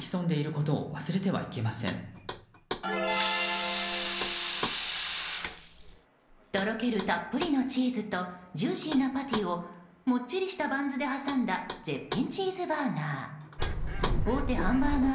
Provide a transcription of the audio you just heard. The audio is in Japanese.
とろけるたっぷりのチーズとジューシーなパテをもっちりしたハンズで挟んだ絶品チーズバーガー。